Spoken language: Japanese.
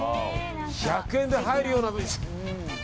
１００円で入るようなお店。